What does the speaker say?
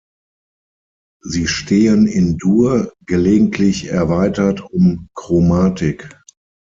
Sie stehen in Dur, gelegentlich erweitert um Chromatik.